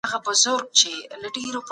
هغه خپل نوي ایمیلونه په ځیر سره ولوستل.